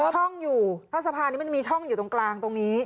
ช่องอยู่ถ้าสะพานนี้มันจะมีช่องอยู่ตรงกลางตรงนี้